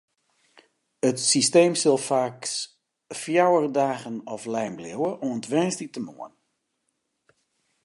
It systeem sil faaks fjouwer dagen offline bliuwe, oant woansdeitemoarn.